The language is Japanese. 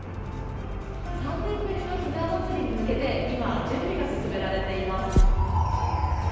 ３年ぶりのひなまつりに向けて、今、準備が進められています。